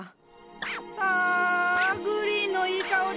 あグリーンのいい香り。